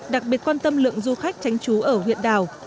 đặc biệt quan tâm lượng du khách tránh trú ở huyện đảo